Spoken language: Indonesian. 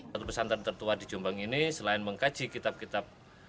satu pesantren tertua di jombang ini selain mengkaji kitab kitab